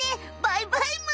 バイバイむ！